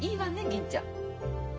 銀ちゃん。